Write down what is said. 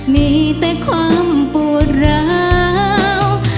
มีแต่ความปวดร้าว